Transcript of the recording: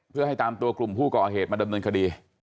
เพื่อให้ตามตัวกลุ่มผู้ก่อเหตุมาดำเนินคดี